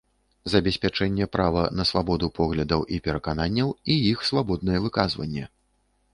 Забеспячэнне права на свабоду поглядаў i перакананняў i iх свабоднае выказванне.